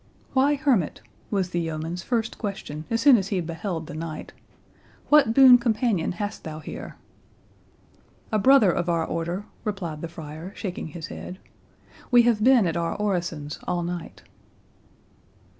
"Why, hermit," was the yeoman's first question as soon as he beheld the knight, "what boon companion hast thou here?" "A brother of our order," replied the friar, shaking his head; "we have been at our orisons all night."